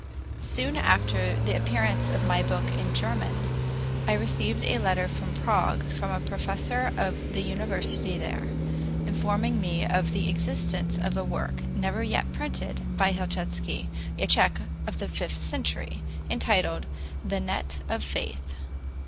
Soon after the appearance of my book in German, I received a letter from Prague, from a professor of the university there, informing me of the existence of a work, never yet printed, by Helchitsky, a Tsech of the fifteenth century, entitled "The Net of Faith."